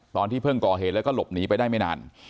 ตอนที่เพิ่งก่อเหตุแล้วก็หลบหนีไปได้ไม่นาน